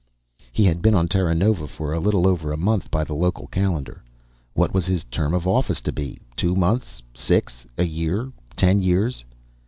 He had been on Terranova for a little over a month by the local calendar. What was his term of office to be two months? Six? A year, ten years?